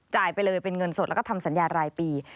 ไปเลยเป็นเงินสดแล้วก็ทำสัญญารายปี